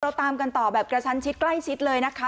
ตามกันต่อแบบกระชันชิดใกล้ชิดเลยนะคะ